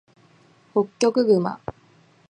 ホッキョクグマ